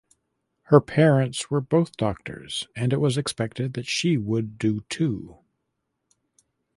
Her parents were both doctors and it was expected that she would do to.